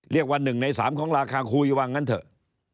เรียกว่า๑ใน๓ของราคาคุยว่างั้นเถอะ